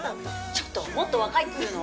ちょっともっと若いっつーの。